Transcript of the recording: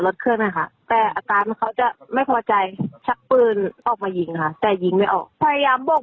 แล้วพวกเราดูใจเย็นมาก